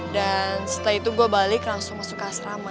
dan setelah itu gue balik langsung masuk ke asrama